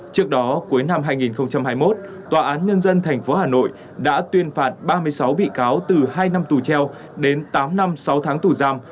trước đó cuối năm hai nghìn hai mươi một tòa án nhân dân tp hà nội đã tuyên phạt ba mươi sáu bị cáo từ hai năm tù treo đến tám năm sáu tháng tù giam